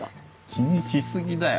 気にし過ぎだよ。